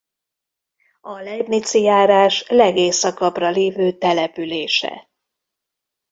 A Leibnitzi járás legészakabbra lévő települése.